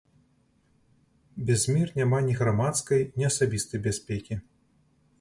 Без мір няма ні грамадскай, ні асабістай бяспекі.